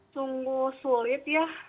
sungguh sulit ya